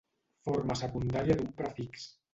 Forma secundària d'un prefix.